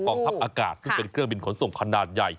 ทัพอากาศซึ่งเป็นเครื่องบินขนส่งขนาดใหญ่